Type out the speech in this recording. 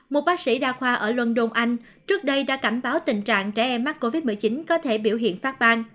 một bác sĩ đa khoa ở london anh trước đây đã cảnh báo tình trạng trẻ em mắc covid một mươi chín có thể biểu hiện phát bang